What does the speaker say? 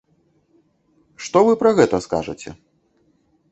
Што вы пра гэта скажаце?